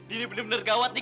ini bener bener gawat nih